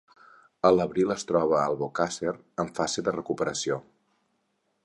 A l'abril es troba a Albocàsser, en fase de recuperació.